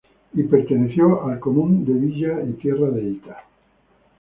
Y perteneció al Común de Villa y Tierra de Hita.